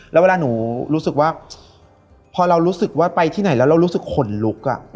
แล้วเวลาหนูรู้สึกว่าพอเรารู้สึกว่าไปที่ไหนแล้วเรารู้สึกขนลุก